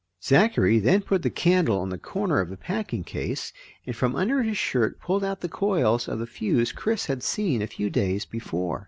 Zachary then put the candle on the corner of a packing case and from under his shirt pulled out the coils of the fuse Chris had seen a few days before.